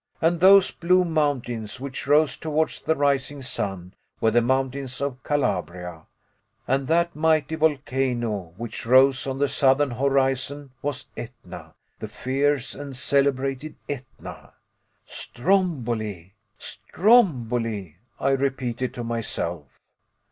And those blue mountains, which rose towards the rising sun, were the mountains of Calabria. And that mighty volcano which rose on the southern horizon was Etna, the fierce and celebrated Etna! "Stromboli! Stromboli!" I repeated to myself.